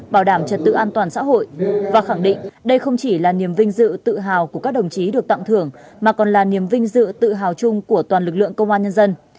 bảo đảm trật tự an toàn xã hội và khẳng định đây không chỉ là niềm vinh dự tự hào của các đồng chí được tặng thưởng mà còn là niềm vinh dự tự hào chung của toàn lực lượng công an nhân dân